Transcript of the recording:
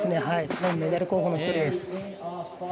彼もメダル候補の１人です。